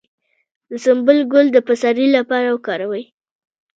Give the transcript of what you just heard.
د سنبل ګل د پسرلي لپاره وکاروئ